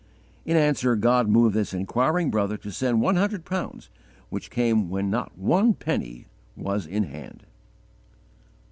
In answer, God moved this inquiring brother to send one hundred pounds, which came when _not one penny was in hand.